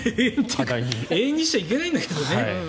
永遠にしちゃいけないんだけどね。